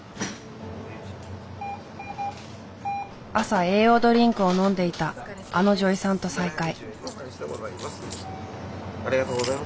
朝栄養ドリンクを飲んでいたあの女医さんと再会。